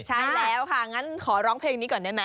ใช่แล้วค่ะงั้นขอร้องเพลงนี้ก่อนได้ไหม